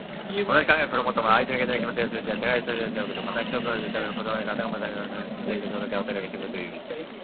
同じ考えや心をもった者は、相手の言動に気持ちが通じ合い、互いに相応じ合うということ。また、人の歌声や笛・琴の音などが、あたかも竜やとらのさけび声が天空にとどろき渡るように響くことをいう。